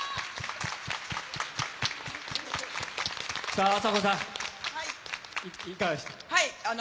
あさこさん、いかがでした？